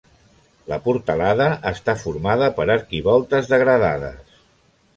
La portalada està formada per arquivoltes degradades.